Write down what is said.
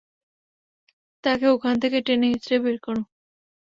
তাকে ওখান থেকে টেনে হিঁচড়ে বের করো।